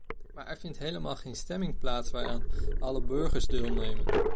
Maar er vindt helemaal geen stemming plaats waaraan alle burgers deelnemen.